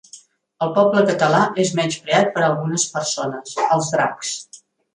El poble català és menyspreat per algunes persones, els dracs.